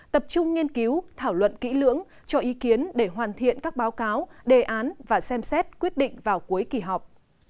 tập trung nghiên cứu thảo luận kỹ lưỡng cho ý kiến để hoàn thiện các báo cáo đề án và xem xét quyết định vào cuối kỳ họp